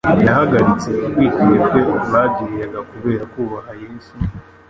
yahagaritse urwikekwe babagiriraga kubera kubaha Yesu;